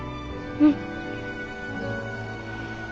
うん。